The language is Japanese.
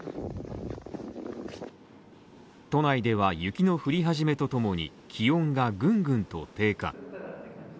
都内では雪の降り始めとともに気温がぐんぐんと低下。